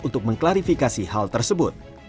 untuk mengklarifikasi hal tersebut